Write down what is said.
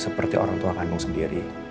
seperti orang tua kandung sendiri